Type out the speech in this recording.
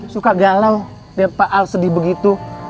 suka galau pak al sedih begitu